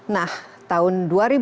nah tahun dua ribu tiga belas